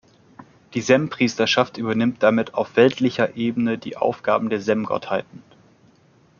Die Sem-Priesterschaft übernimmt damit auf weltlicher Ebene die Aufgaben der Sem-Gottheiten.